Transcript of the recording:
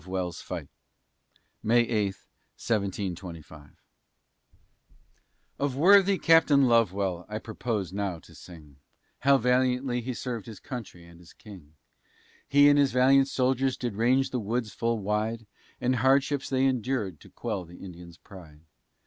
LOVEWELL'S FIGHT [May 8, 1725] Of worthy Captain Lovewell I purpose now to sing, How valiantly he served his country and his King; He and his valiant soldiers did range the woods full wide, And hardships they endured to quell the Indian's pride.